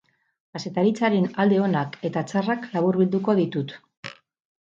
Kazetaritzaren alde onak eta txarrak laburbilduko ditut.